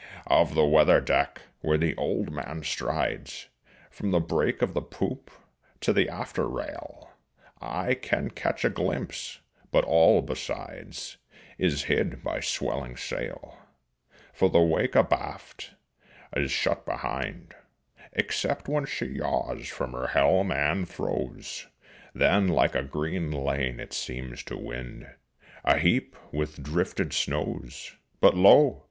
Of the weather deck where the old man strides, From the break of the poop to the after rail, I can catch a glimpse, but all besides Is hid by swelling sail. For the wake abaft is shut behind, Except when she yaws from her helm and throws; Then like a green lane it seems to wind Aheap with drifted snows. But lo!